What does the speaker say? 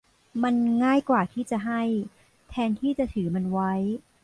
มันง่ายกว่าที่จะให้แทนที่จะถือมันไว้